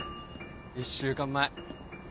１週間前。